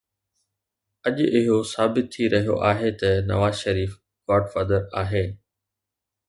اڄ اهو ثابت ٿي رهيو آهي ته نواز شريف گاڊ فادر آهي.